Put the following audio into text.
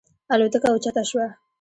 الوتکه اوچته شوه.